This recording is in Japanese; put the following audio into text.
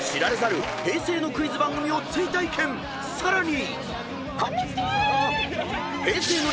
［さらに］